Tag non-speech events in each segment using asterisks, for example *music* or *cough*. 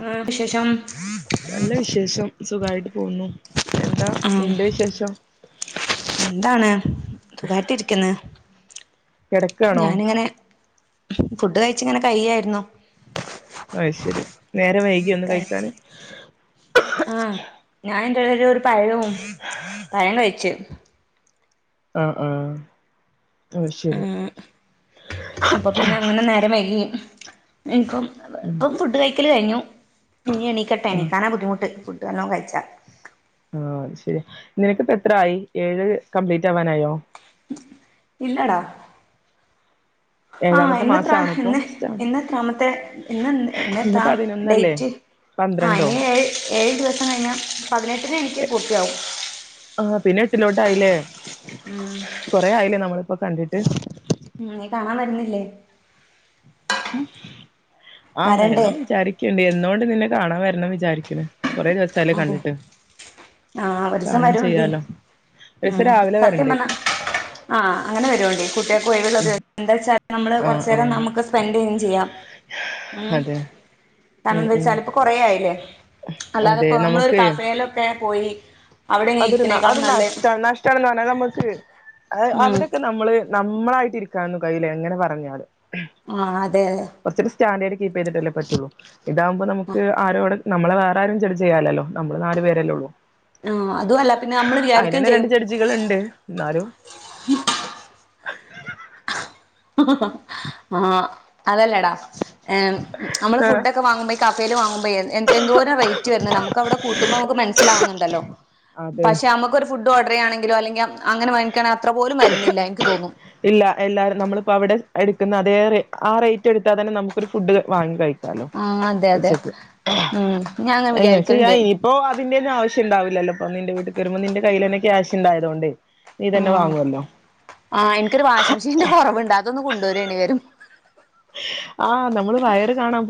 ആ വിശേഷം നല്ല വിശേഷം സുഖായിട്ട് പോകുന്നു എന്താ ആ നിന്റെ വിശേഷം എന്താണ് സുഖായിട്ട് ഇരിക്കുന്ന് കിടക്കാണോ ഫുഡ് കഴിച്ചിങ്ങനെ കയ്യായിരുന്നു അ ശരി നേരം വൈകിയോന്ന് കഴിച്ച് കഴിക്കാന് ആഹ് ഞാൻ ഒരു പഴവും പഴം കഴിച്ച് ആ ആ ഉം അപ്പൊ പിന്നെ അങ്ങനെ നേരം വൈകി എനിക്കും ഉം ഇപ്പം ഫുഡ് കഴിക്കല് കഴിഞ്ഞു ഇനി എണീക്കട്ടെ ആഹ് എണീക്കാന ബുദ്ധിമുട്ട് വല്ലോം കഴിച്ചാ ആ അത് ശരിയാ നിനക്കിപ്പോ എത്ര ആയി ഏഴ് കംപ്ലീറ്റ് ആവാനായോ ഇല്ലടാ ആ ഏഴാമത്തെ ഇന്നത്ര മാസാണോ ഇപ്പോ ഇന്ന് സ്റ്റാർട്ട് ഇന്നത്രാമത്തെ ഇന്ന് ഇന്ന് ഇന്നത്ര പതിനൊന്നല്ലേ ഡേറ്റ് ആ പന്ത്രണ്ടോ ഏ ഏഴ് ദിവസം കഴിഞ്ഞ പതിനെട്ട് എനിക്ക് പൂർത്തിയാവും ആ പിന്നെ എട്ടിലോട്ടായില്ലേ കൊറ ആയില്ലേ നമ്മള് ഇപ്പൊ കണ്ടിട്ട് ഉം നീ കാണാൻ വരുന്നില്ലേ ഉം ആ വരണ്ടേ വരണം ന്ന് വിചാരിക്കുണ്ട് എന്നുകൊണ്ട് നിന്ന- കാണാൻ വരണം വിചാരിക്കണ് അതെ ആഹ് ഒരുസം കാണും വരൂണ്ടേ ചെയ്യാലോ ഒരീസം ഉം രാവിലെ സത്യം വരണ്ട് പറഞ്ഞാ ആഹ് അങ്ങനെ വരൂണ്ടേ കുട്ടികൾക്ക് ഒഴിവുള്ള ഉം *unintelligible* എന്താച്ചാ നമ്മള് ആഹ് കൊറച്ചേരം ആഹ് നമുക്ക് സ്പെൻഡ് ചെയ്യും ചെയ്യാം ഉം അതെ കാരണം ഉം ഉം എന്താച്ചാലിപ്പൊ കൊറേ ആയില്ലേ അല്ലാതെ അതെ ഇപ്പ നമ്മളൊരു നമുക്ക് കഫേലൊക്കെ പോയി അവിടെ ഇങ്ങനെ അതൊരു ന അത് ഇരിക്കണേക്കാളും നല്ലേ നഷ്ടാണ് നഷ്ടാണെന്ന് പറഞ്ഞാല് നമക്ക് ഏഹ് ഉം അവിടെയൊക്കെ നമ്മള് നമ്മളായിട്ടിരിക്കാനൊന്നും കഴിയില്ല എങ്ങനെ പറഞ്ഞാലും ആഹ് അതെ അതെ കുറച്ചൊരു സ്റ്റാൻഡേർഡ് കീപ് ചെയ്തിട്ടല്ലേ പറ്റുള്ളൂ ഇതാവുമ്പോ നമുക്ക് ആരോട് നമ്മളെ വേറാരും ജഡ്ജ് ചെയ്യാൻ ഇല്ലല്ലോ നമ്മള് നാല് പേരല്ലേ ഉള്ളൂ ആ അതുവല്ല പിന്നെ നമ്മള് വിചാരിക്കയും അതിനന്നെ രണ്ട് ചെയ്യും ജഡ്ജികളുണ്ട് എന്നാലും ആഹ് അതല്ലെടാ ഏഹ് നമ്മള് ആഹ് ഫുഡൊക്കെ വാങ്ങുമ്പോ ഈ കഫേല് വാങ്ങുമ്പയെ എൻ എന്തോരം റേറ്റ് വരുന്ന് നമുക്ക് അവടെ കൂട്ടുമ്പോ നമുക്ക് മനസ്സിലാവുന്നുണ്ടല്ലോ അതെ പഷെ നമുക്കൊരു ഫുഡ് ഇത് ഓർഡറ് ചെയ്യാണെങ്കിലോ അല്ലെങ്ങെ അങ്ങനെ വാങ്ങി ക്കണ അത്ര പോലും വരുന്നില്ല എനിക്ക് തോന്നും ഇല്ല എല്ലാരും നമ്മളിപ്പോ അവിടെ എടുക്കുന്ന അതേ റേ ആ റേറ്റ് എടുത്താ തന്നെ നമുക്കൊരു ഫുഡ് വാങ്ങി കഴി ക്കാലോ ആഹ് അതെ അതെ ഉച്ചക്ക് ഉം ഞാൻ അങ്ങനെ എങ്ങനെ ചെയ്യ വിചാരിക്കലുണ്ട് ഇനിയിപ്പോ ഇതിന്റെ ഒന്നും ആവിശ്യം ഉണ്ടാവില്ലല്ലോ ഇപ്പൊ നിന്റെ വീട്ടിക്ക് വരുമ്പോ നിന്റെ കയ്യിലന്നെ ക്യാഷ് ഉണ്ടായതോണ്ട് നീ തന്നെ ആഹ് വാങ്ങുവല്ലോ ആഹ് എനിക്കൊരു വാഷിംഗ് മെഷീന്റെ കൊറവുണ്ട് അത് അതൊന്ന് കൊണ്ട് വരേണ്ടി വരും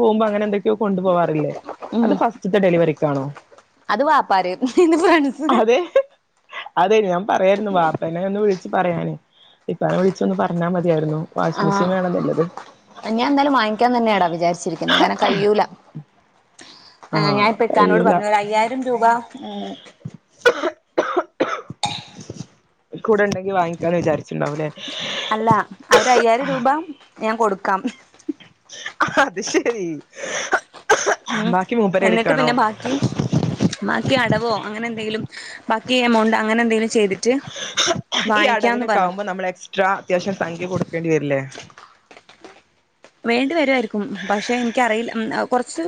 പോവുമ്പോ അങ്ങെനെന്തെക്കെയോ കൊണ്ട് പോവാറില്ലേ ഉം അത് ഫസ്റ്റ്ത്തെ ഡെലിവറിക്കാണോ അത് വാപ്പാടെ ഇത് ഫ്രണ്ട്സ് അതെ അതെ ഞമ് പറയായിരുന്നു വാപ്പേനെ ഒന്ന് വിളി ച്ച് പറയാന് ഇപ്പാനെ വിളിച്ചൊന്ന് പറഞ്ഞാ മതിയാരുന്നു വാഷിങ്ങ് മെഷീൻ ആഹ് വേണെന്നിള്ളത് ഞാൻ എന്തായാലും വാങ്ങിക്കാൻ തന്നെയാടാ വിചാരിച്ചിരിക്കുന്നേ കാരണം കഴിയൂല ആ ആഹ് ഞാനിപ്പ ഇക്കാനോട് പറഞ്ഞു ഒരു അയ്യായിരം രൂപ ഉം കൂടെണ്ടെങ്കി വാങ്ങിക്കാന്ന് വിചാരിച്ചിണ്ടാവും ല്ലേ അല്ല അവര് അയ്യായിരം രൂപ ഞാൻ കൊടുക്കും ക്കാം ആഹ്ആ അത് ശെരി ഉംഹ് എന്നിട്ട് പിന്നെ ബാക്കി ബാക്കി അ ടവോ അങ്ങനെന്തെങ്കിലും ബാക്കി എമൗണ്ട് അങ്ങനെ എന്തെങ്കിലും ചെയ്തി ഈ അടവിനൊക്കെ ആവുമ്പോ നമ്മൾ എക്സ്ട്രാ അത്യാവശ്യം സംഖ്യ കൊടുക്കേണ്ടി വരില്ലേ വേണ്ടിവരുവാരിക്കും പക്ഷെ എനിക്കറിയില്ല കുറച്ച്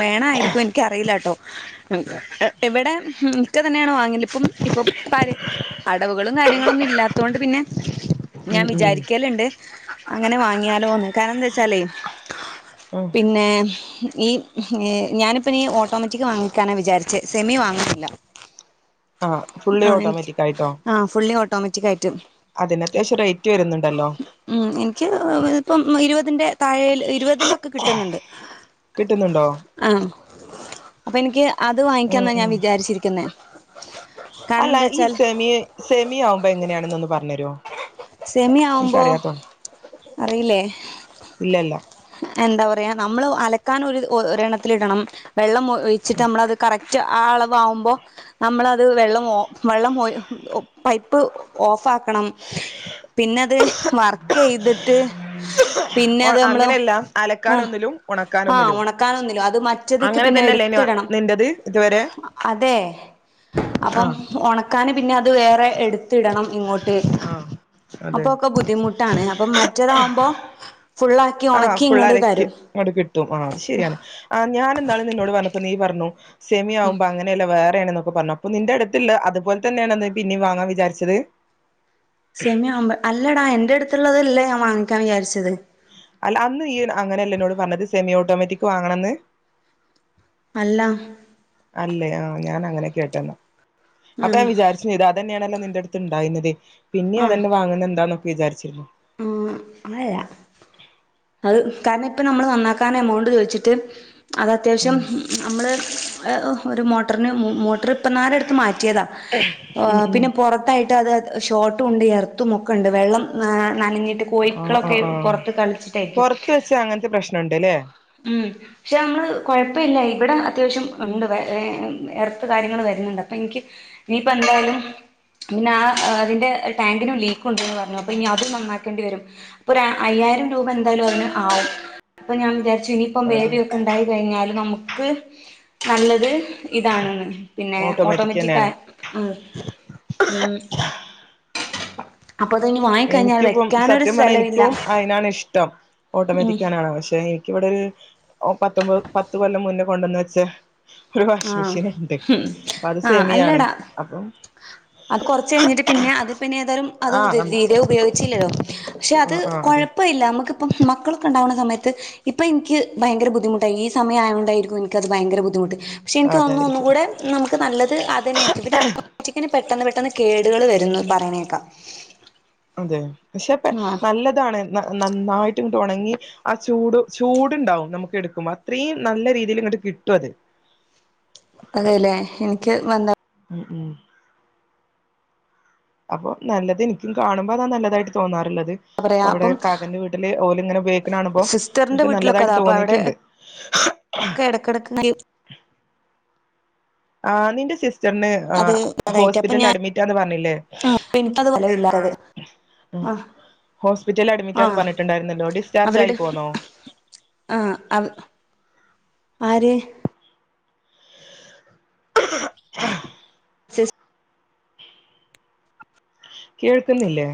വേണമായിരിക്കും എനിക്കറിയില്ല കേട്ടോ ഇവിടെ ഇക്ക തന്നെയാണ് വാങ്ങി ഇനിയിപ്പം ഇപ്പം അടവുകളും കാര്യങ്ങളും ഇല്ലാത്തത് കൊണ്ട് പിന്നെ ഉം ഞാൻ ഉം വിചാരിക്കലുണ്ട് അങ്ങനെ വാങ്ങിയാലോന്ന് കാണംന്ത് വെച്ചാലേ ഉം പിന്നെ ഹ് ഈ ഞാനിപ്പ നീ ഓട്ടോമാറ്റിക് വാങ്ങിക്കാന വിചാരിച്ച് സെമി വാങ്ങുന്നില്ല ആ ഫുള്ളി ഓട്ടോമാറ്റിക് ആയിട്ടോ മറ്റിക് അതിനത്യാവശ്യ റേറ്റ് വരുന്നുണ്ടല്ലോ ഇ ഇതുപ്പം ഇരുപതിന്റെ താഴ ഇരുപതിലക്കെ കിട്ടന്നുണ്ട് കിട്ടുന്നുണ്ടോ ആഹ് അപ്പോൾ എനിക്ക് അത് ഉം വാങ്ങിക്കാന്നാ ഞാൻ ഉം വിചാരിച്ചിരിക്കുന്നേ കാരണം അല്ല എന്താ ഈ വെച്ചാൽ സെമിയ സെമിയ ആവുമ്പോ എങ്ങനെയാണെന്ന് ഒന്ന് പറഞ്ഞു തരോ സെമി ആവുമ്പോ എനിക്കറിയാത്തോ അറിയില്ലേ ഇല്ലല്ല എന്താ പറയാ നമ്മൾ അലക്കാൻ ഒരു ഒരണ്ണത്തിലിടണം വെള്ളം മു ഒഴിച്ചിട്ട് നമ്മളത് കറക്റ്റ് ആ അളവാകുമ്പോൾ നമ്മളത് വെള്ളം വെള്ളം പൈപ്പ് ഓഫ് ആഹ് പിന്നത് വർക്ക് ചെയ്തിതി ട്ട് ഓ അങ്ങനെയല്ല ആഹ് അലക്കാനൊന്നിലും ആ ഉണക്കാനൊന്നിലും ഉണക്കാനൊന്നുമില്ലോ അത് മറ്റത്ക്ക് അങ്ങനെ പിന്നെ തന്നെയല്ലേ എടുത്തിടണം നിന്റത് ഇതുവരെ അതെ ആ അപ്പം ഉണക്കാന് പിന്നെ അത് വേറെ എടുത്തിടണം ഇങ്ങോട്ട് ആ അതെ അപ്പൊക്കെ ബുദ്ധിമുട്ടാണ് അപ്പം മറ്റതാവുമ്പോ ഫുള്ളാക്കി ഉണക്കി ഫുള്ളലക്കി കിട്ടും ആ അത് ശരിയാണ് ആ ഞാഇന്നാള് നിന്നോട് പറഞ്ഞ നീ പറണൂ സെമിയാവുമ്പോങ്ങനെല്ല വേർ നെക്കെ പറഞ്ഞു അപ്പൊ നിന്റെ അടുത്ത അതുപോലെ തന്നെയാണ് പിന്നീ വാങ്ങാ വിചാരിച്ചത് സെമി ആവുമ്പോ അല്ലടാ എന്റെറ അടുത്തുള്ളതല്ല ഞാൻ വാങ്ങിക്കാ വിചാരിച്ചത് അല്ല അന്ന് ഈ അങ്ങനെയല്ലേ എന്നോട് പറഞ്ഞത് സെമി ഓട്ടോമാറ്റിക് വാങ്ങണന്ന് അല്ല അല്ലേ ആഹ് ഞാൻ അങ്ങനെ കേട്ടന്നാ അപ്പൊ ആഹ് ഞാൻ വിചാരിച്ചു ചെയ്തു അതന്നെയാണല്ലോ നി എടുത്തുണ്ടായിരുന്നത് പിന്നെ അതന്നെ വാങ്ങുന്നത് എന്താണോ വിചാരിച്ച് മം അങ്ങനെല്ലാ അത് കാരണം ഇപ്പം നമ്മള് നന്നാക്കാൻ അമൗണ്ടു ചോദിച്ചിട്ട് അത് അത്യാവശ്യം ഉം നമ്മള് ഒരു മോ ട്ടോറിന് മോ മോട്ടോർ ഇപ്പം അട്ത്ത് മാറ്റിയതാ ഉം ഉം പിന്നെ പുറത്തായിട്ട് അത് ഷോട്ടും ഉണ്ട് എർത്തുമൊക്കെ ഉണ്ട് വെള്ളം ന നനഞ്ഞിട്ട് കോഴിക്കളൊക്കെ പുറത്ത് കളിച്ചിട്ട് പുറത്ത് വെച്ചാ അങ്ങനത്തെ പ്രശ്നണ്ട്ല്ലേ ഉം പക്ഷെ നമ്മള് കൊഴപ്പവില്ല ഇവിടെ അത്യാവശ്യം ഉണ്ട് വയ എർത്ത് കാര്യങ്ങൾ വരുണോണ്ട് അപ്പൊ എനിക്ക് ഇനിയിപ്പം എന്തായാലും പിന്നെ ആ അതിന്റെ ടാങ്കിനും ലീക്ക് ഉണ്ടന്ന് പറഞ്ഞു അപ്പൊ ഇനി അതും നന്നാക്കേണ്ടി വരും അപ്പൊ ഒരു അയ്യായിരം രൂപ എന്തായാലും അതിനു ആവും അപ്പൊ ഞാൻ വിചാ രിച്ച് ഇനിയിപ്പം അത് ബേബിയൊക്കെ ഉണ്ടായി കഴിഞ്ഞാലും നമുക്ക് ക്ക് നല്ലത് ഇതാണെന്ന് പിന്നെ ഓട്ടോമാറ്റിക് ആ മ് മം വാങ്ങിക്കഴിഞ്ഞാൽ എനിക്കിപ്പം വെക്കാനൊരു സത്യം പറഞ്ഞാ സ്ഥലമില്ല എനിക്കും അയിനാണ് ഇഷ്ടം ഉം ഓട്ടോമാറ്റിക്കാനാണ് പക്ഷെ എനിക്കിവിടെ ഒരു ഓ പത്തൊമ്പത് പത്തുകൊല്ലം മുന്ന കൊണ്ടെന്നു വെച്ചേ ഒരു വാഷിങ് ആഹ് മെഷീൻ ഉണ്ട് ഉം അപ്പൊ അത് ആഹ് സെമിയാണ് അല്ലടാ അപ്പം അത് കുറച്ച് കഴിഞ്ഞിട്ട് പിന്നെ അത് പിന്നെ ഏതായാലും അത് ആഹ് *unintelligible* നമുക്ക് രീതി ഉപയോഗിച്ചില്ലല്ലോ പക്ഷെ അത് ആഹ് ആഹ് അതെ കുഴപ്പില്ല ന നമക്കിപ്പം മക്കളൊക്കെ ഇണ്ടാവണ സമയത്ത് ഇപ്പം എനിക്ക് ഭയങ്കര ബുദ്ധിമുട്ടായി ഈ സമയമായതുകൊണ്ടായിരിക്കും എനിക്കത് ഭയങ്കര ബുദ്ധിമുട്ട് പക്ഷെ എനിക്ക് ആഹ് തോന്നുന്നു അതായിരിക്കും ഒന്നുകൂടെ നമുക്ക് നല്ലത് അത് തന്നെയായിരിക്കും പിന്നെ *unintelligible* പെട്ടെന്ന് പെട്ടെന്ന് കേടുകൾ വരുംന്ന് പറയണേ കേക്കാം അതെ പക്ഷെപ്പം നല്ലതാണ് നന്നായിട്ട് ഇങ്ങട്ട് ഉണങ്ങി ആ ചൂട് ചൂടുണ്ടാവും നമുക്ക് എടുക്കുമ്പോ അത്രയും നല്ല രീതിയില് ഇങ്ങട്ട് കിട്ടും അത് അതേലേ എനിക്ക് വന്നാ മം മം അപ്പൊ നല്ലത് എനിക്കും കാണുമ്പോ അതാ നല്ലതായിട്ട് തോന്നാറുള്ളത് അപ്പം അവിടെ കാക്കന്റെ വീട്ടില് ഓല് ഇങ്ങനെ ഉപയോഗിക്കുന്നാണുമ്പോ സിസ്റ്ററിന്റെ എനിക്കും വീട്ടിലൊക്കെ നല്ലതായിട്ട് അതാ അപ്പൊ അവിടെ തോന്നിട്ടുണ്ട് ഒക്കെ ഇടക്കിടക്ക് ആ നിന്റെ സിസ് സ്റ്ററിന് അത് അതായിട്ട് അപ്പൊ ഹോസ്പിറ്റലില് ഞാൻ അഡ്മിറ്റാന്ന് പറഞ്ഞിലെ എനിക്കത് ഫലമില്ലാതെ ആ ഹോസ്പിറ്റലില് ആ അഡ്മിറ്റാന്ന് പറഞ്ഞിട്ടുണ്ടായിരുന്നല്ലോ ഡിസ്ചാർജ് ആയി അവരുടെ പോന്നോ ആ ആര് *inaudible* സിസ്റ്റ കേൾക്കുന്നില്ലേ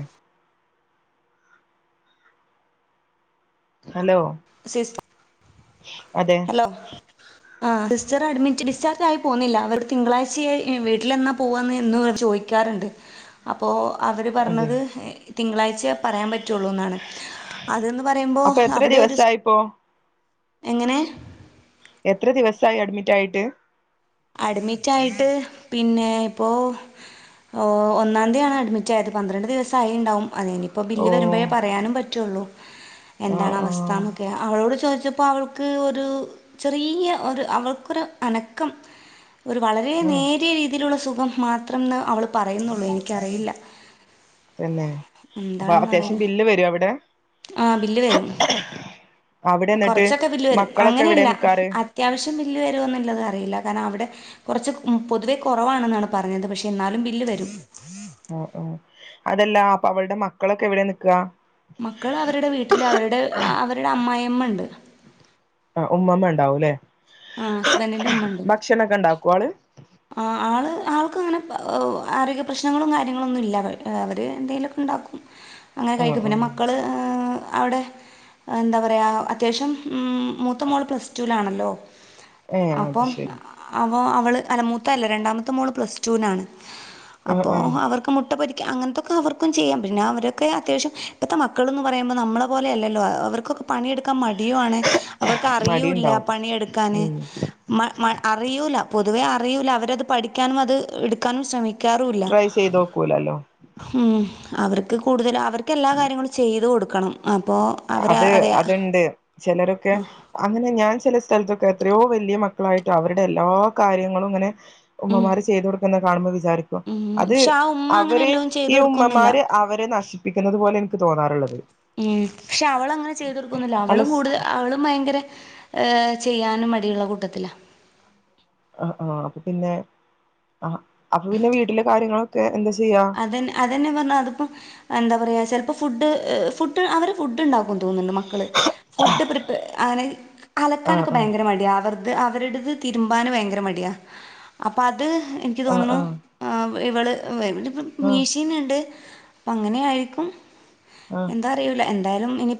ഹലോ സിസ്- അതെ ഹലോ ആ സിസ്റ്റർ അഡ്മിറ്റ് ഡിസ്ചാർജ് ആയി പോന്നില്ല അവർ തിങ്കളാഴ്ചയായി വീട്ടിലെന്നാ പോവാന്ന് എന്നും *unintelligible* ചോയിക്കാറ്ണ്ട് അപ്പോ അവര് അതെ പറഞ്ഞത്- തിങ്കളാഴ്ച പറയാൻ പ റ്റുളൂന്നാണ് അത് ന്ന് പറയുമ്പോ അപ്പൊ എത്ര അവിടെ ഒരു ദിവസായിപ്പോ എങ്ങനെ എത്ര ദിവസായി അഡ്മിറ്റ് ആയിട്ട് അഡ്മിറ്റ് ആയിട്ട് പിന്നെ ഇപ്പോ ഒ ഒന്നാം തീയാണ് അഡ്മിറ്റ് ആയത് പന്ത്രണ്ട് ദിവസം ആയി ഇണ്ടാവും അതിനിയിപ്പോ ഓ ബില്ല് വരുമ്പോഴേ പറയാനും പറ്റു ഉള്ളൂ ആ എന്താണ് ആ അവസ്ഥാന്നൊക്കെ അവളോട് ചോദി ഇത് ഇപ്പം അവൾക്ക് ഒരു ചെറിയ ഒരു അവൾക്കൊരു അനക്കം ഒരു വളരെ ആ നേരിയ രീതിയിലുള്ള സു *unintelligible* മാത്രംന്ന് അവള് പറയുന്നുള്ളൂ എനിക്കറിയില്ല തന്നെ അപ്പൊ അത്യാവശ്യം ബില്ല് വരോ അവിടെ ആഹ് ബില്ല് വരും അവിടെ എന്നിട്ട് കൊറച്ചൊക്കെ ബില്ല് വരും മക്കളൊക്കെ എവിടെ അങ്ങനെയല്ല നിക്കാറ് അത്യാവശ്യം ബില്ല് വരുന്നുള്ളത് അറിയില്ല കാരണം അവിടെ കൊറച്ച് പൊതുവെ കൊറവാണെന്നാണ് പറഞ്ഞത് പക്ഷെ എന്നാലും ബില്ല് വരും ഉം ഉം അതെല്ലാം അപ്പൊ അവളുടെ മക്കളൊക്കെ എവിടെയാ നിൽക്കാ. മക്കള് അവരുടെ വീട്ടില് അവരുടെ അവരുടെ അമ്മായിയമ്മ ഉണ്ട്. ആഹ് ഉമ്മമ്മ ഉണ്ടാവുല്ലേ. ആ ഹസ്ബൻഡിൻ്റെ ഉമ്മ ഉണ്ട് ഭക്ഷണൊക്കെ ഉണ്ടാക്കുവോ ആളെ. ആഹ് ആള് ആൾക്ക് അങ്ങനെ ആരോഗ്യ പ്രശ്നങ്ങളും കാര്യങ്ങളൊന്നും ഇല്ല, അവര് എന്തെങ്കലുമൊക്കെ ഉണ്ടാക്കും. അങ്ങനെ ആഹ് കഴിക്കും പിന്നെ ആഹ് മക്കള് ആഹ്. അവിടെ എന്താ പറയാ അത്യാവശ്യം ഉം മൂത്ത മോൾ പ്ലസ് ടുവിലാണല്ലോ. ഏഹ് അത് അപ്പം ശരി അ ഇപ്പോ അവള് തലമൂത്ത അല്ല രണ്ടാമത്തെ മോള് പ്ലസ് ടൂവിനാണ്. ആഹ് അപ്പോ ആഹ് അവർക്ക് മുട്ട പൊരി അങ്ങനത്തൊക്കെ അവർക്കും ചെയ്യാം, പിന്നെ അവരൊക്കെ അത്യാവശ്യം ഇപ്പഴ്ത്തെ മക്കൾ എന്ന് പറയുമ്പോ നമ്മളെ പോലെയല്ലല്ലോ അവർക്കൊക്കെ പണിയെടു ക്കാൻ മടിയുവാണ്, അവർക്ക് അറിയൂല്ല മടിണ്ടാവും പണിയെടുക്കാന് ഉം മ മ അറിയൂല പൊ പൊതുവേ അറിയൂല്ല, അവരെ അത് പഠിക്കാനും അത് എടുക്കാനും ശ്രമി ട്രൈ ചെയ്തുനോക്കൂല്ലല്ലോ. അവർക്ക് കൂടുതൽ അവർ. ഒക്കെ എല്ലാ കാര്യങ്ങളും ചെയ്തു കൊടു ക്കണം അത് അത്ണ്ട് ചിലരൊക്കെ അങ്ങനെ ഞാൻ ചില സ്ഥലത്തൊക്കെ എത്രയോ വല്ല്യ മക്കളായിട്ട് അവരുടെ എല്ലാ കാര്യങ്ങളും ഇങ്ങനെ ഉമ്മമാര് ചെയ്തു കൊടുക്കുന്ന കാണുമ്പോൾ വിചാരിക്കും അത് പക്ഷെ ആ ഉമ്മ അങ്ങനെ അവരെ എല്ലാം ഈ ചെയ്തു കൊടുക്കൊന്നുമില്ല ഉമ്മമാര് അവരെ നശി പ്പിക്കുന്നത് പോലെ ഇൻക്ക് തോന്നാറുള്ളത് ഉം പക്ഷെ അവള് അങ്ങനെ ചെയ്തൊടുക്കുന്നില്ല അല്ല അവളും കൂടുതൽ അവളും ഭയങ്കര ഏഹ് ചെയ്യാനും മടിയുള്ള കൂട്ടത്തിലാ. ആഹ് ആഹ് അപ്പൊ പിന്നെ ആഹ് അപ്പൊ പിന്നെ വീട്ടിലെ കാര്യങ്ങളൊക്കെ എന്താ ചെ അതന്നെ അതെന്നെ പറഞ്ഞാ അതിപ്പോ എന്താ പറയാ ചെ ഫുഡ് ഫുഡ് അവര് ഫുഡ് ഇണ്ടാക്കും തോന്ന്ണ് മക്കള് ഫുഡ് പ്രിപ്പ ആണ് ആഹ് അലക്കാനൊക്കെ ആഹ് ഭയങ്കര മടിയ അവർ അത് അവരുടത് തിരുമ്പാൻ ഭയങ്കര മടിയ അപ്പ അ ത് എനിക്ക് ആഹ് തോന്നുന്നു ആഹ് ഏ ഇവള് വെ വ് ആഹ് മീഷീന്ന്ണ്ട് പ്പ അങ്ങനെയായേക്കും. എന്താറിയൂല എന് ന്തായാലും ഇനി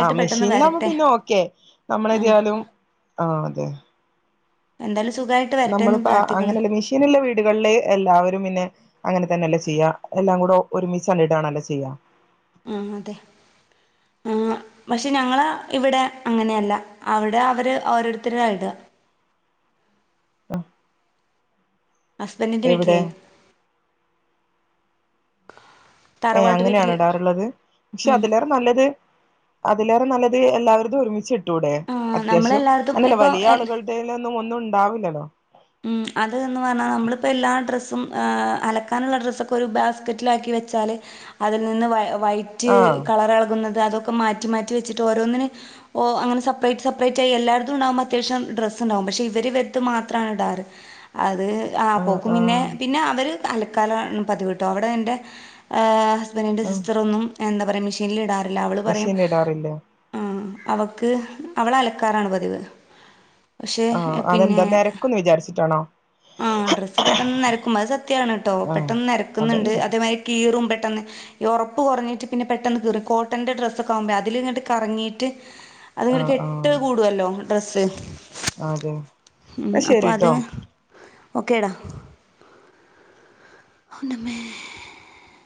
ആ മെഷീനിലാമ്പോ പിന്നെ ഓക്കെ ആഹ് നമ്മളെതിയാലും ആ അതെ എന്തായ നമ്മളിപ്പോ അ അങ്ങനല്ല മെഷീനുള്ള വീടുകളില് എല്ലാവരും പിന്നെ അങ്ങനെ തന്നെ എല്ലാ ചെയ്യ, എല്ലാം കൂടെ ഒരുമിച്ചല്ലേ ഇടാണല്ല ചെയ്യാ. ആ അതെ ആ പക്ഷെ ഞങ്ങള് ഇവിടെ അങ്ങനെയല്ല അവിടെ അവര് ഓരോരുത്തര ഇടുക ഹസ്ബൻറിന്റെ എവിടെ വീട്ടിലേ ഏ തറവാട്ട് അങ്ങനെയാണൊ വീട്ടില് ഇടാറുള്ളത് പക്ഷെ ഉം അതിലേറെ നല്ലത് അതിലേറെ നല്ലത് എല്ലാവരതു ഒരുമിച്ചി ആഹ് ട്ടൂടേഅത്യാവശ്യം നമ്മളെല്ലായിടത്തും അങ്ങല്ല ഇപ്പൊ വലിയ ആളുകളുടെ ഒന്നും ഉണ്ടാവില്ലല്ലോ ഉ അതന്ന് പറഞ്ഞാൽ നമ്മളിപ്പോ എല്ലാ ഡ്രസ്സു അലക്കാനുള്ള ഡ്രസ്സൊക്കെ ഒരു ബാസ്ക്കറ്റിലാക്കി വെച്ചാല് അതിൽ നിന്ന് വൈറ്റ് ആഹ് കളർളകുന്നത് അതൊ മാറ്റി മാറ്റി വെച്ചട്ട് ഓരോന്നിന ഓ അങ്ങനെ സെപ്പറേറ്റ് സെപ്പറേറ്റ് എല്ലായിടത്തും അത്യാവ്യ ഡ്രസ്സ്ണ്ടാകും പക്ഷെവ വർത്ത് മാത്ര ആറ് അത് അത് ആ ആഹ് പോക്കും പിന്നെ ആഹ് പിന്നെ അവര് അലക്കാല പതി കിട്ടു അവിടെ എൻ്റെ *unintelligible* എന്റെ സിസ്റ്ററൊന്നും എന്താ പറയാ മെഷീൽ ഇടാൻ മെഷിൻ ഇടാറില്ല അവക്ക് അവളെ അലക്കാറാണ് പതിവ്. ആഹ അതെന്താ നിരക്കൊന്ന് വിചാരിച്ചു ആ ഡ്രസ്സ് പെട്ടെന്ന് നരക്കുമ്പോ അത് സത്യാണ് കേട്ടോ ആഹ് പെട്ടെന്ന് നരക്കുന്നുണ്ട് അതുണ്ട് അതേമാ കീ റൂം പെട്ടന്ന് ഉറപ്പ് കുറഞ്ഞിട്ട് പിന്നെ പെട്ടന്ന് കീറും കോട്ടന്റെ ഡ്രെ ആകുമ്പോ അതിൽങ്ങ് കറങ്ങിയിട്ട് അത്ങ്ങട്ട് ആഹ് കെട്ട് ആഹ് കൂടുല്ലോ ബസ് അതെ ശരി ട്ടോ ഓക്കേ ഡാ *inaudible*